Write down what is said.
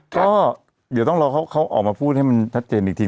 ก็เหนือต้องลองเค้ามาออกมาพูดให้มันทัดเจนอีกที